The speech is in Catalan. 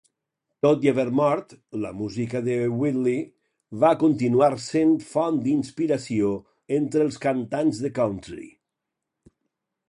Tot i haver mort, la música de Whitley va continuar sent font d'inspiració entre els cantants de country.